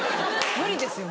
無理ですよ